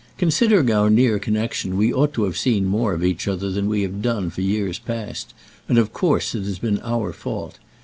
Considering our near connection we ought to have seen more of each other than we have done for years past, and of course it has been our fault.